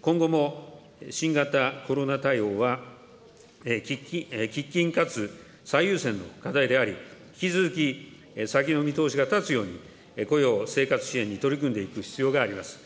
今後も新型コロナ対応は喫緊かつ、最優先の課題であり、引き続き先の見通しが立つように、雇用、生活支援に取り組んでいく必要があります。